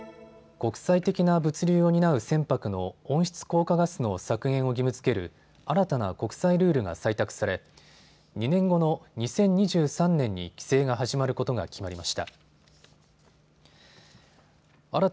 国際的な物流を担う船舶の温室効果ガスの削減を義務づける新たな国際ルールが採択され２年後の２０２３年に規制が始まることが決まりました。